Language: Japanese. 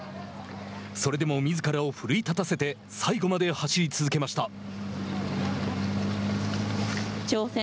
それでもみずからを奮い立たせて最後まで走り続けました。